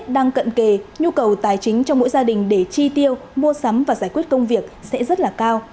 đang cận kề nhu cầu tài chính cho mỗi gia đình để chi tiêu mua sắm và giải quyết công việc sẽ rất là cao